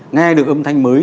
nghe được âm thanh mới